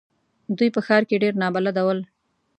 دوی په ښار کې ډېر نابلده ول.